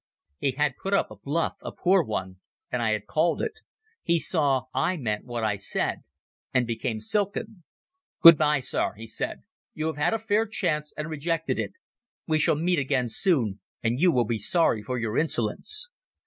He had put up a bluff—a poor one—and I had called it. He saw I meant what I said, and became silken. "Good bye, sir," he said. "You have had a fair chance and rejected it. We shall meet again soon, and you will be sorry for your insolence."